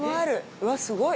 うわ、すごい。